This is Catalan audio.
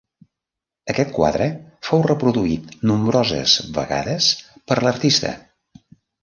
Aquest quadre fou reproduït nombroses vegades per l'artista.